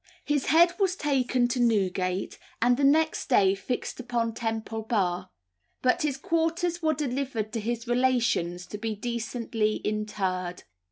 His head was taken to Newgate, and the next day fixed upon Temple Bar; but his quarters were delivered to his relations to be decently interred.